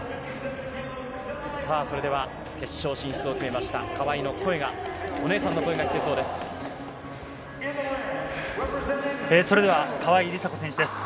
さあ、それでは決勝進出を決めました、川井の声が、お姉さんの声が聞けそれでは、川井梨紗子選手です。